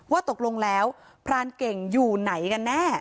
ว่าตกลงแล้วพรานเก่งอยู่ไหนกันแน่